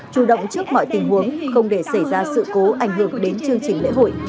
chủ động trước mọi tình huống không để xảy ra sự cố ảnh hưởng đến chương trình lễ hội